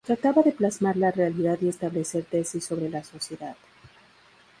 Trataba de plasmar la realidad y establecer tesis sobre la sociedad.